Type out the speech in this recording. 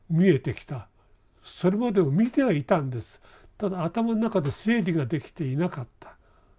ただ頭の中で整理ができていなかった。